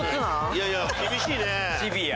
いやいや厳しいね。